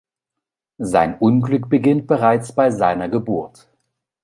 Sein Unglück beginnt bereits bei seiner Geburt.